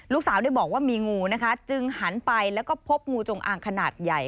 ลูกสาวได้บอกว่ามีงูนะคะจึงหันไปแล้วก็พบงูจงอางขนาดใหญ่